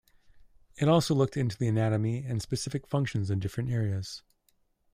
It also looked into the anatomy and specific functions of different areas.